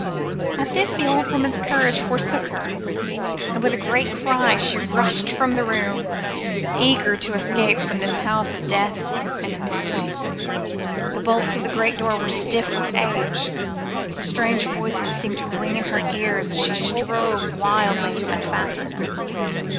At this the old woman's courage forsook her, and with a great cry she rushed from the room, eager to escape from this house of death and mystery. The bolts of the great door were stiff with age, and strange voices seemed to ring in her ears as she strove wildly to unfasten them.